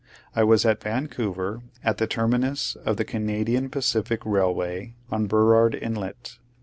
I was at Van couver, at the terminus of the Canadian Pacific Kailway, on Burrard Inlet.